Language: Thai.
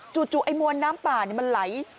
จู่จู่ไอ้มวนน้ำปานี่มันไหล